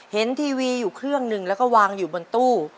ทีวีอยู่เครื่องหนึ่งแล้วก็วางอยู่บนตู้